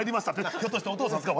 ひょっとしてお父さんですか？